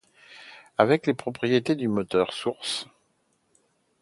Avec les propriétés du moteur Source.